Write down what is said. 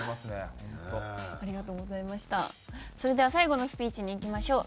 それでは最後のスピーチにいきましょう。